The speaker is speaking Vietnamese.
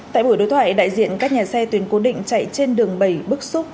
tại buổi đối thoại đại diện các nhà xe tuyến cố định chạy trên đường bầy bức xúc